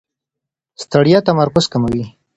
ستړیا تمرکز کموي.